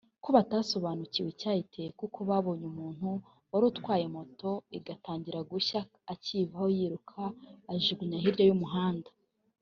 ko batasobanukiwe icyayiteye kuko babonye umuntu warutwaye moto igatangira gushya akayivaho yiruka akayijugunya hirya y’umuhanda